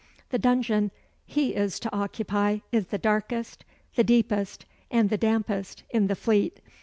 "The dungeon he is to occupy is the darkest, the deepest and the dampest in the Fleet.